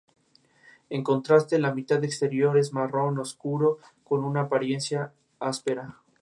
Su tipo fue de villano, pero pudo interpretar roles de personajes amigables.